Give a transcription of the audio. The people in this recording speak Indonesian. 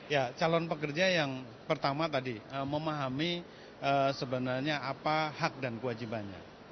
ya calon pekerja yang pertama tadi memahami sebenarnya apa hak dan kewajibannya